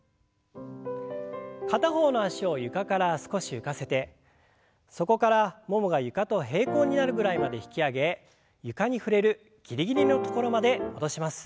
片方の脚を床から少し浮かせてそこからももが床と平行になるぐらいまで引き上げ床に触れるギリギリの所まで戻します。